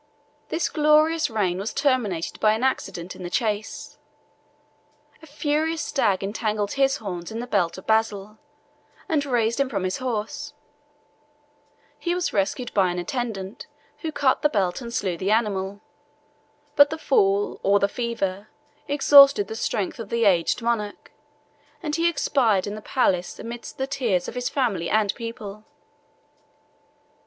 This glorious reign was terminated by an accident in the chase. A furious stag entangled his horns in the belt of Basil, and raised him from his horse: he was rescued by an attendant, who cut the belt and slew the animal; but the fall, or the fever, exhausted the strength of the aged monarch, and he expired in the palace amidst the tears of his family and people.